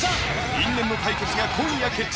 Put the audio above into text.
因縁の対決が今夜決着